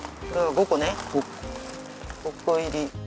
５個入り。